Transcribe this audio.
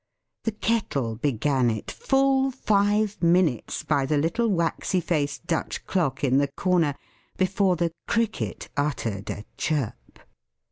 The Kettle began it, full five minutes by the little waxy faced Dutch clock in the corner before the Cricket uttered a chirp.